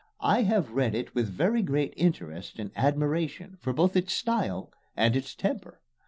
I have read it with very great interest and admiration for both its style and its temper.